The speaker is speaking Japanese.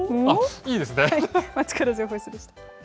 いいですね。